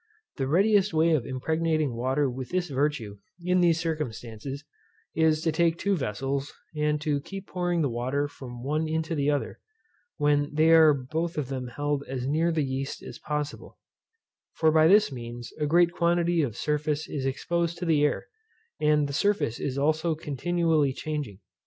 The readiest way of impregnating water with this virtue, in these circumstances, is to take two vessels, and to keep pouring the water from one into the other, when they are both of them held as near the yeast as possible; for by this means a great quantity of surface is exposed to the air, and the surface is also continually changing.